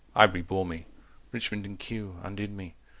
Highbury bore me. Richmond and Kew Undid me.